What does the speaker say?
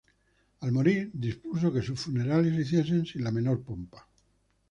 Al morir, dispuso que sus funerales se hiciesen sin la menor pompa.